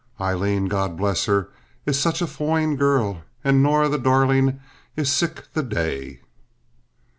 "Aileen, God bless her, is such a foine girl," or "Norah, the darlin', is sick the day."